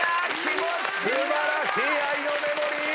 素晴らしい『愛のメモリー』！